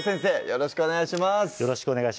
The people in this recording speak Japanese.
よろしくお願いします